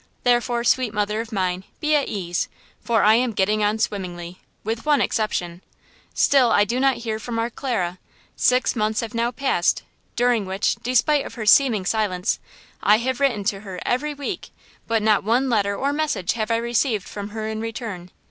Therefore, sweet mother of mine, be at ease; for I am getting on swimmingly–with one exception. Still I do not hear from our Clara! Six months have now passed, during which, despite of her seeming silence, I have written to here every week; but not one letter or message have I received from her in return!